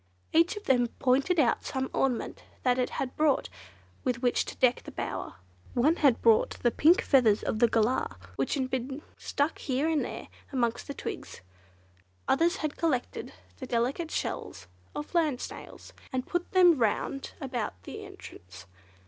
Each of them pointed out some ornament that it had brought with which to deck the bower. One had brought the pink feathers of a Galah, which had been stuck here and there amongst the twigs. Others had collected the delicate shells of land snails, and put them round about the entrance.